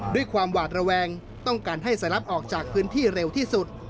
ด้วยความหวาดระแวงต้องการให้สลับออกจากพื้นที่เร็วที่สุด